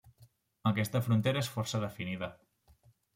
Aquesta frontera és força definida.